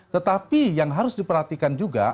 tetapi yang harus diperhatikan juga